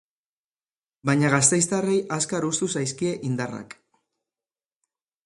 Baina gasteiztarrei azkar hustu zaizkie indarrak.